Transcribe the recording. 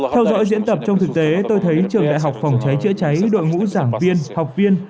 theo dõi diễn tập trong thực tế tôi thấy trường đại học phòng cháy chữa cháy đội ngũ giảng viên học viên